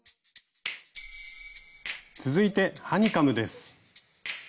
続いてハニカムです。